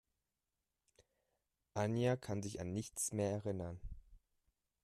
Anja kann sich an nichts mehr erinnern.